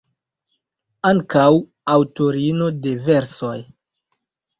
Ankaŭ aŭtorino de versoj.